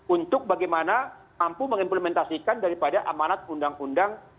untuk bagaimana mampu mengimplementasikan daripada amanat undang undang